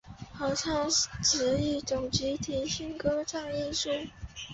合唱指一种集体性的歌唱艺术。